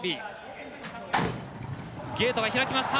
ゲートが開きました。